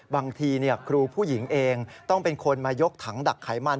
บางทีครูผู้หญิงเองต้องเป็นคนมายกถังดักไขมัน